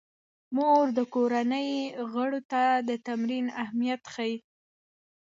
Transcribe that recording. مور د کورنۍ غړو ته د تمرین اهمیت ښيي.